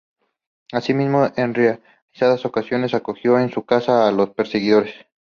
Asimismo, en reiteradas ocasiones acogió en su casa a los perseguidos.